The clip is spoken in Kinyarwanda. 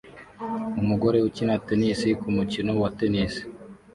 Umugore ukina tennis kumukino wa tennis